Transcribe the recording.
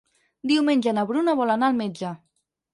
Diumenge na Bruna vol anar al metge.